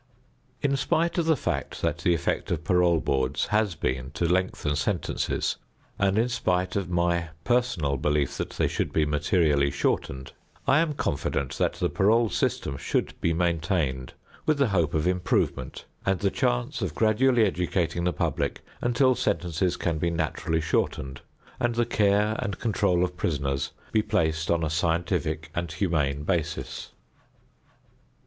In spite of the fact that the effect of parole boards has been to lengthen sentences, and in spite of my personal belief that they should be materially shortened, I am confident that the parole system should be maintained with the hope of improvement and the chance of gradually educating the public until sentences can be naturally shortened, and the care and control of prisoners be placed on a scientific and humane basis.